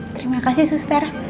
terima kasih suster